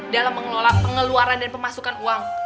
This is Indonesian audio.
dalam mengelola pengeluaran dan pemasukan uang